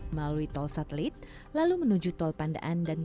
melalui tol satelit lalu menuju jalan tol pandaan malang